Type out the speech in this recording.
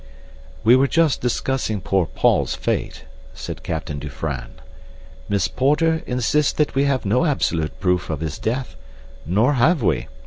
"We were just discussing poor Paul's fate," said Captain Dufranne. "Miss Porter insists that we have no absolute proof of his death—nor have we.